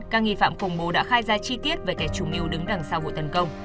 các nghi phạm khủng bố đã khai ra chi tiết về kẻ chủ mưu đứng đằng sau vụ tấn công